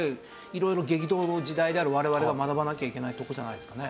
色々激動の時代である我々が学ばなきゃいけないとこじゃないですかね。